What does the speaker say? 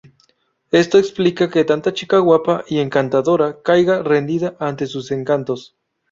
Esto explica que tanta chica guapa y encantadora caiga rendida ante sus encantos.